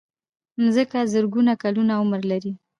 مځکه زرګونه کلونه عمر لري.